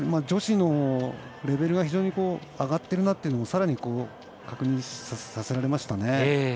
女子のレベルが非常に上がっているなというのをさらに確認させられましたね。